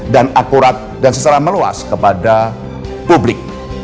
dan akurat dan secara meluas kepada publik